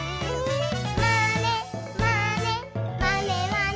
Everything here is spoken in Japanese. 「まねまねまねまね」